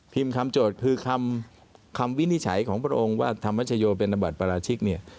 คำโจทย์คือคำวินิจฉัยของพระองค์ว่าธรรมชโยเป็นธบัตรปราชิกเนี่ย